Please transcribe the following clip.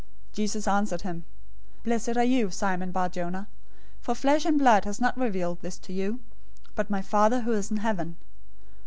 016:017 Jesus answered him, "Blessed are you, Simon Bar Jonah, for flesh and blood has not revealed this to you, but my Father who is in heaven.